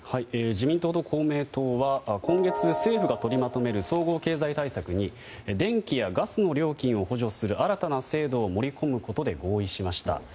自民党と公明党は今月、政府が取りまとめる総合経済対策に電気やガスの料金を補助する新たな制度を盛り込むことで合意しました。